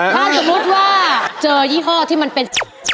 ถ้าสมมุติว่าเจอยี่ห้อที่มันเป็น